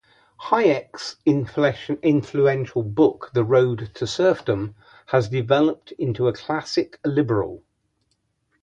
Hayek's influential book "The Road to Serfdom" and developed into a classical liberal.